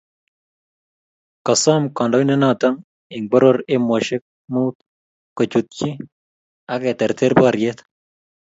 kasom kandoindenoto eng poror emoshok muut kochutchi ak keterter poryet